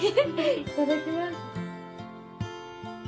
いただきます。